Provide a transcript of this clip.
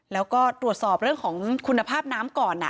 แล้วก็ตรวจสอบเรื่องของคุณภาพน้ำก่อน